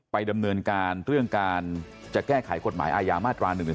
ดำเนินการเรื่องการจะแก้ไขกฎหมายอาญามาตรา๑๑๒